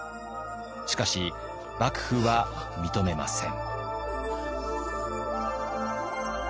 しかし幕府は認めません。